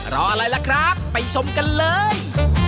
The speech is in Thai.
อะไรล่ะครับไปชมกันเลย